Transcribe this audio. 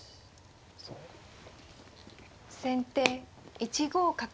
先手１五角。